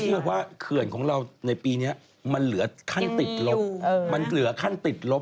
ว่าเขื่อนของเราในปีนี้มันเหลือขั้นติดลบมันเหลือขั้นติดลบ